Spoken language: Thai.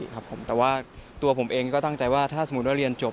ครับผมแต่ว่าตัวผมเองก็ตั้งใจว่าถ้าสมมุติว่าเรียนจบ